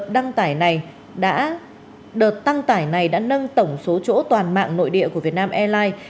đợt tăng tải này đã nâng tổng số chỗ toàn mạng nội địa của việt nam airlines